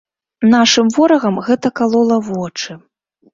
Нашым ворагам гэта калола вочы.